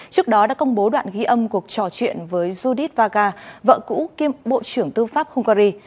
trước đó đã công bố đoạn ghi âm cuộc trò chuyện với judith vaga vợ cũ kiêm bộ trưởng tư pháp hungary